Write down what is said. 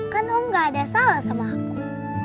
kan om gak ada salah sama aku